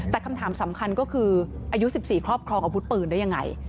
แต่คำถามสำคัญก็คืออายุ๑๔ครอบครองอาวุธปืนได้ยังไง